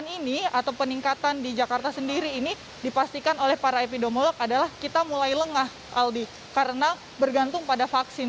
ini atau peningkatan di jakarta sendiri ini dipastikan oleh para epidemiolog adalah kita mulai lengah aldi karena bergantung pada vaksin